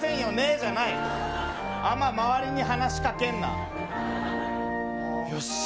じゃない、あんま周りに話しかけんな。